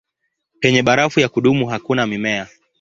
Penye barafu ya kudumu hakuna mimea.